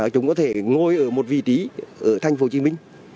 chúng có thể ngồi ở một vị trí ở thành phố hồ chí minh